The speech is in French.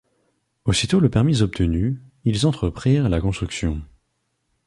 Aussitôt le permis obtenu, ils entreprirent la construction.